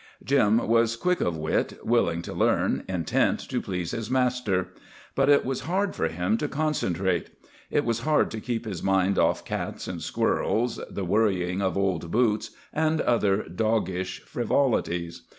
Jim was quick of wit, willing to learn, intent to please his master. But it was hard for him to concentrate. It was hard to keep his mind off cats, and squirrels, the worrying of old boots, and other doggish frivolities.